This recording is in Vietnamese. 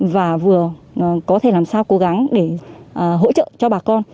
và vừa có thể làm sao cố gắng để hỗ trợ cho bà con